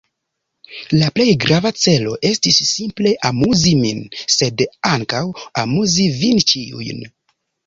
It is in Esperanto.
La plej grava celo estis simple amuzi min, sed ankaŭ amuzi vin ĉiujn.